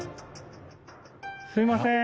すいませーん。